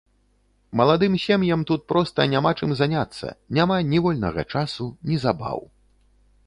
Маладым сем'ям тут проста няма чым заняцца, няма ні вольнага часу, ні забаў.